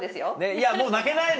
いやもう泣けないの！